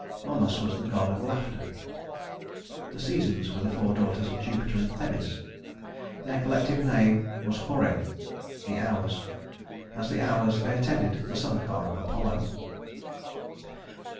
Momus was the god of laughter. The Seasons were the four daughters of Jupiter and Themis. Their collective name was Horæ (the Hours). As the Hours they attended the sun car of Apollo.